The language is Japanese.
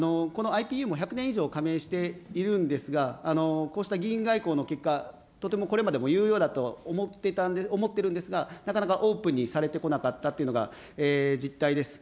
このＩＰＵも１００年以上加盟しているんですが、こうした議員外交の結果、とてもこれまでも有用だと思ってるんですが、なかなかオープンにされてこなかったというのが実態です。